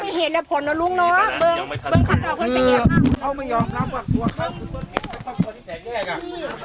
คือเขาไม่ยอมรับหวังตัวเขาคือเขาไม่ยอมรับหวังตัวเขา